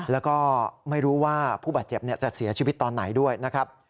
แล้วก็ไม่รู้ว่าผู้บาดเจ็บจะเสียชีวิตตอนไหนด้วยนะครับ